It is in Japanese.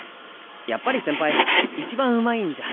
やっぱり先輩いちばんうまいんじゃ。